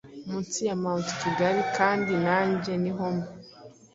Munsi ya mont kigali kandi nanjye niho mba